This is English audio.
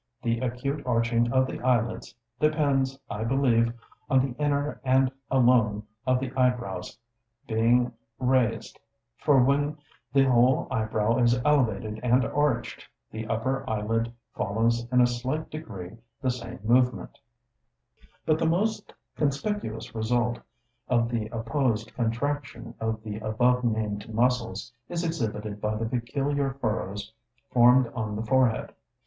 The acute arching of the eyelids depends, I believe, on the inner end alone of the eyebrows being raised; for when the whole eyebrow is elevated and arched, the upper eyelid follows in a slight degree the same movement. Obliquity of the Eyebrows. Plate II But the most conspicuous result of the opposed contraction of the above named muscles, is exhibited by the peculiar furrows formed on the forehead.